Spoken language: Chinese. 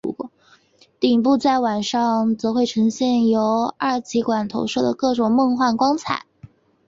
顶部在晚上则会呈现由二极管投射的各种梦幻光彩。